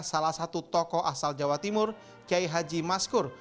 salah satu tokoh asal jawa timur kiai haji maskur